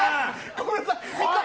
ごめんなさい。